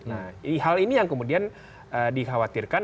nah hal ini yang kemudian dikhawatirkan